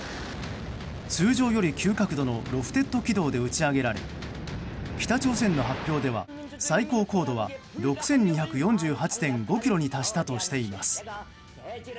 通常より急角度のロフテッド軌道で打ち上げられ北朝鮮の発表では最高高度は６２４８．５ｋｍに達したとしています。